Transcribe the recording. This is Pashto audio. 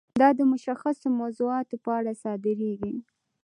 دا د مشخصو موضوعاتو په اړه صادریږي.